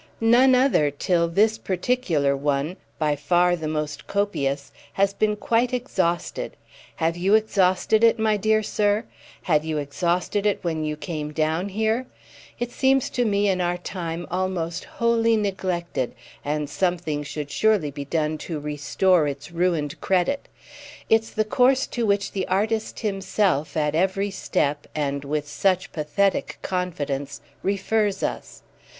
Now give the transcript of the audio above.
"None other till this particular one—by far the most copious—has been quite exhausted. Have you exhausted it, my dear sir? Had you exhausted it when you came down here? It seems to me in our time almost wholly neglected, and something should surely be done to restore its ruined credit. It's the course to which the artist himself at every step, and with such pathetic confidence, refers us.